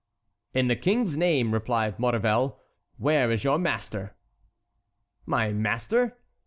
"In the King's name," replied Maurevel, "where is your master?" "My master?"